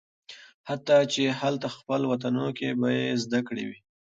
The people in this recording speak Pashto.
حتی چې هالته خپل وطنونو کې به یې زده کړې وي